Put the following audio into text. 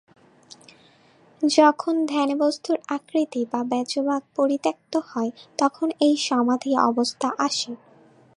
যখন ধ্যানে বস্তুর আকৃতি বা বাহ্যভাগ পরিত্যক্ত হয়, তখনই এই সমাধি-অবস্থা আসে।